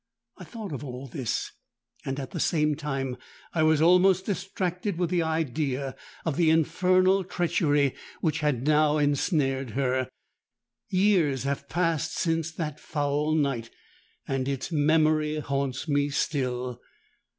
I thought of all this; and at the same time I was almost distracted with the idea of the infernal treachery which had now ensnared her! Years have passed since that foul night; and its memory haunts me still.